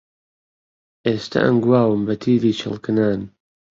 ئێستە ئەنگواوم بەتیری چڵکنان